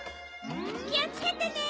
きをつけてね！